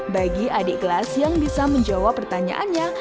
bagi adik kelas yang bisa menjawab pertanyaannya